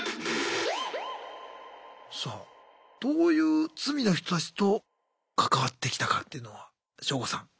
さあどういう罪の人たちと関わってきたかっていうのはショウゴさん。